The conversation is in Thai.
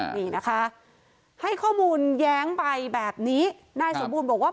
นี่นะคะให้ข้อมูลแย้งไปแบบนี้นายสมบูรณ์บอกว่า